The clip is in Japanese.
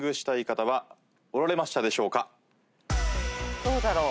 どうだろう？